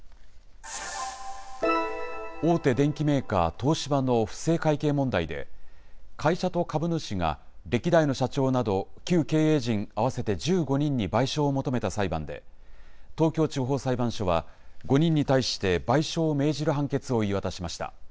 大手電機メーカー、東芝の不正会計問題で、会社と株主が歴代の社長など、旧経営陣合わせて１５人に賠償を求めた裁判で、東京地方裁判所は、５人に対して賠償を命じる判決を言い渡しました。